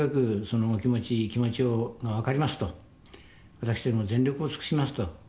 私ども全力を尽くしますと。